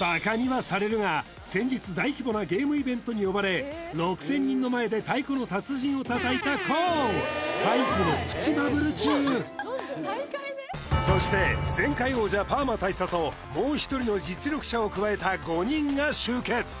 バカにはされるが先日大規模なゲームイベントに呼ばれ６０００人の前で太鼓の達人を叩いたＫＯＯ太鼓のそして前回王者パーマ大佐ともう一人の実力者を加えた５人が集結